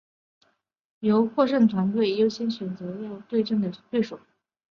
由获胜团队优先选择要对阵的对手。